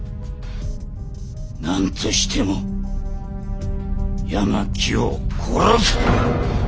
何としても八巻を殺す！